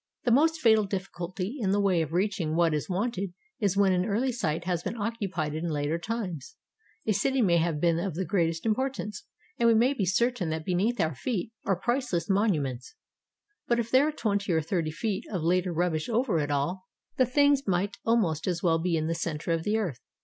The most fatal difficulty in the way of reaching what is wanted is when an early site has been occupied in later times. A city may have been of the greatest importance, and we may be certain that beneath our feet are price less monuments; but if there are twenty or thirty feet of later rubbish over it all, the things might almost as well be in the center of the earth.